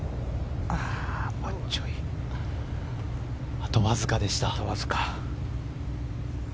あとわずかでした。